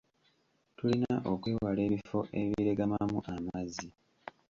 Tulina okwewala ebifo ebiregamamu amazzi.